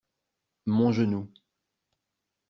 Mon genou.